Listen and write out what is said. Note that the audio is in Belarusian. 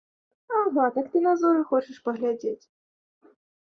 Ага, так ты на зоры хочаш паглядзець?